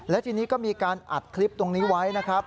และทีนี้ก็มีการอัดคลิปตรงนี้ไว้นะครับ